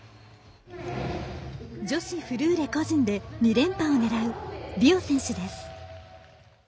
女子フルーレ個人で２連覇を狙うビオ選手です。